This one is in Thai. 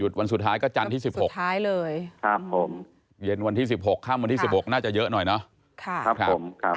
หยุดวันสุดท้ายก็จันทร์ที่สุดท้ายเลยครับผมเย็นวันที่สิบหกขั้มวันที่สิบหกน่าจะเยอะหน่อยเนาะครับผมครับ